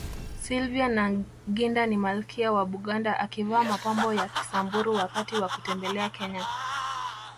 Sylvia Nagginda ni malkia wa Buganda akivaa mapambo ya Kisamburu wakati wa kutembelea Kenya